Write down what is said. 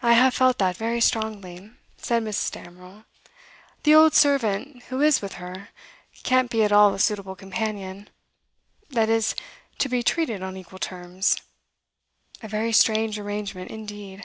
'I have felt that very strongly,' said Mrs. Damerel. 'The old servant who is with her can't be at all a suitable companion that is, to be treated on equal terms. A very strange arrangement, indeed.